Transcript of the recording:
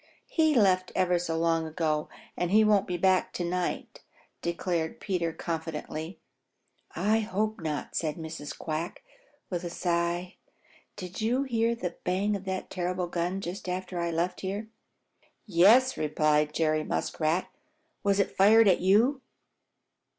"He left ever so long ago, and he won't be back to night," declared Peter confidently. "I hope not," said Mrs. Quack, with a sigh. "Did you hear the bang of that terrible gun just after I left here?" "Yes," replied Jerry Muskrat. "Was it fired at you?"